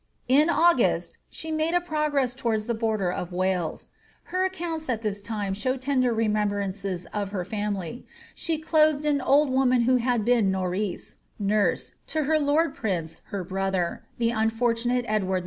In August she made a progress towards the borders of WalesL Her accounts at this time show tender remembrances of her (amil/ ; she clothed an old woman who had been norice (nurse) to my lord prince her brother* (the unfortunate Edward V.)